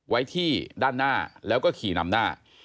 ไว้ที่ด้านหน้าแล้วก็ขี่นำหน้า